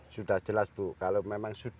sudah jelas bu